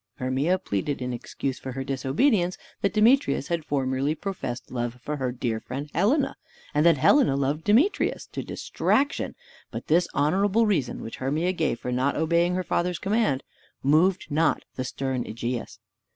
Hermia pleaded in excuse for her disobedience, that Demetrius had formerly professed love for her dear friend Helena, and that Helena loved Demetrius to distraction; but this honorable reason, which Hermia gave for not obeying her father's command, moved not the stern Egeus.